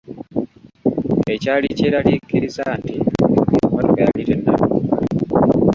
Ekyali kyeraliikiriza nti emmotoka yali tenatuuka.